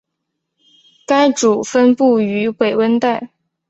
该属分布于北温带。